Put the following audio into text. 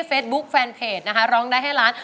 เฟสบุ๊คแฟนเพจร้องได้ให้ร้าน